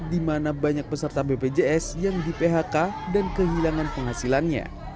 di mana banyak peserta bpjs yang di phk dan kehilangan penghasilannya